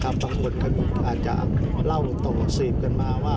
บางคนอาจจะเล่าต่อสืบกันมาว่า